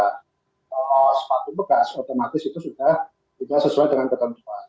kalau sepatu bekas otomatis itu sudah sesuai dengan ketentuan